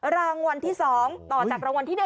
รางวัลที่๒ต่อจากรางวัลที่๑